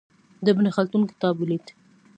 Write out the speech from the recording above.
د ابن خلدون کتاب ولید.